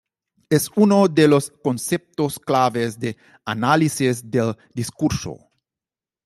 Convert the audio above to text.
Es uno de los conceptos claves del Análisis del discurso.